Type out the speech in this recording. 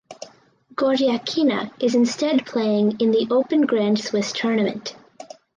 Goryachkina is instead playing in the Open Grand Swiss Tournament.